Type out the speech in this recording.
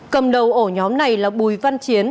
cầm đầu ổ nhóm này là bùi văn chiến